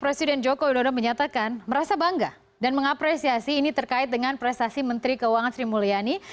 presiden joko widodo menyatakan merasa bangga dan mengapresiasi ini terkait dengan prestasi menteri keuangan sri mulyani